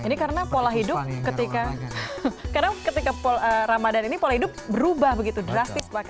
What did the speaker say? ini karena pola hidup ketika ramadan ini berubah begitu drastis bahkan ya